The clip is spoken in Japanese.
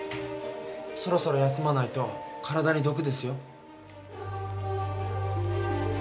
そろそろ休まないと体にどくですよ。